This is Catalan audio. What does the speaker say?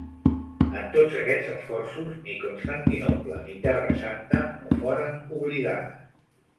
En tots aquests esforços, ni Constantinoble ni Terra Santa no foren oblidades.